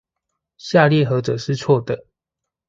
下列何者是錯的？